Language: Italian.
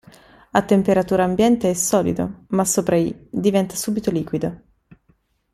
A temperatura ambiente è solido, ma sopra i diventa subito liquido.